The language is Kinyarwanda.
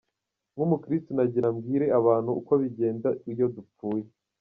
Nk’umukristu, nagirango mbwire abantu uko bigenda iyo dupfuye.